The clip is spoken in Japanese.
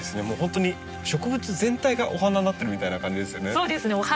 もうほんとに植物全体がお花になってるみたいな感じですよね。